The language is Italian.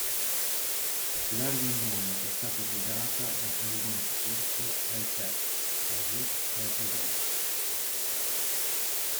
La riunione è stata guidata dal Presidente turco Recep Tayyip Erdoğan.